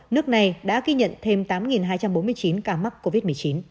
nước này đã ghi nhận thêm tám hai trăm bốn mươi chín ca mắc covid một mươi chín